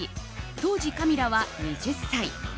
当時カミラは２０歳。